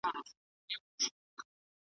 کندهار په وینو سور دی د زلمیو جنازې دي .